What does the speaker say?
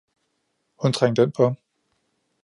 Hun trængte ind paa ham.